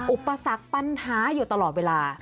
อุปสรรคปัญหาอยู่ตลอดเวลา